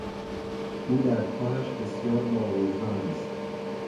او در کارش بسیار با وجدان است.